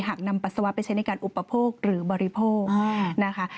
หากนำปัสสาวะไปใช้ในการอุปโภคหรือบริโภคนะคะ